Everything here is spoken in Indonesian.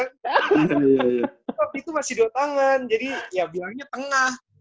tapi itu masih dua tangan jadi ya bilangnya tengah